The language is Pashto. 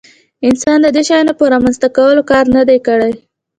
انسان د دې شیانو په رامنځته کولو کار نه دی کړی.